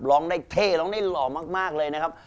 ร้องได้เท่ร้องได้หล่อมากเลยนะครับ